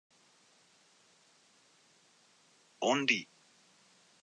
Only after vibrational relaxation will there will be a realignment of their dipole moments.